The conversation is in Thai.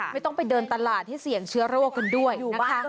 ไม่ต้องไปเดินตลาดให้เสี่ยงเชื้อโรคกันด้วยถูกไหมคะ